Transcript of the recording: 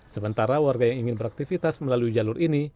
sementara warga yang ingin beraktivitas melalui jalur ini